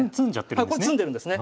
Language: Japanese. これ詰んでるんですね。